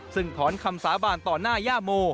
ซึ่งถอนคำสาบานต่อหน้าย่าโม